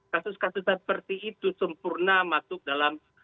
kasus kasus seperti itu sempurna masuk dalam